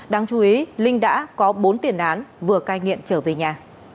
đáng chú ý linh đã có bốn tiền án vừa cai nghiện trở về nhà